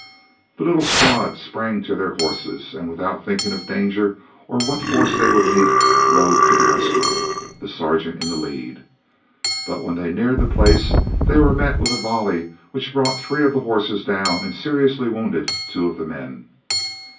The little squad sprang to their horses, and without thinking of danger, or what force they would meet, rode to the rescue, the Sergeant in the lead. But when they neared the place, they were met with a volley which brought three of the horses down and seriously wounded two of the men.